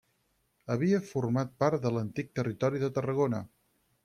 Havia format part de l'antic Territori de Tarragona.